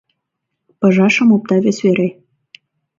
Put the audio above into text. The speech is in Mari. Пыжашым опта вес вере.